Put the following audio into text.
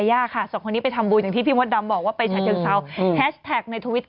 ยกตัวอย่างแล้วทั้งลายสิบู๊